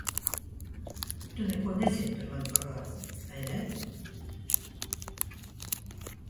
Tu neko nezini par manu pagātni, vai ne?